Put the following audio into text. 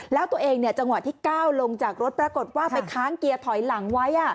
แล้วตัวเองจังหวะที่ก้าวลงจากรถปรากฏว่าไปค้างเกียร์ถอยหลังไว้